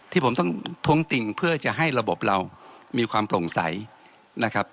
ที่ผมต้องท้วงติงเพื่อจะให้ระบบเรามีความโปร่งใสนะครับ